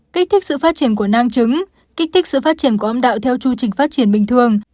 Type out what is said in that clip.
kích thích sự phát triển của năng trứng kích thích sự phát triển của âm đạo theo chương trình phát triển bình thường